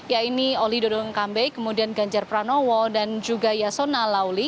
ya ini oli dodongkambe kemudian ganjar pranowo dan juga yasona lauli